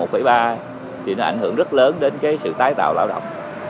thì nó ảnh hưởng rất lớn đến cái sự tái tạo lao động